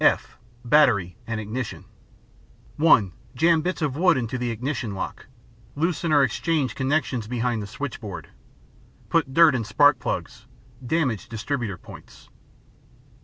(f) Battery and Ignition (1) Jam bits of wood into the ignition lock; loosen or exchange connections behind the switchboard; put dirt in spark plugs; damage distributor points.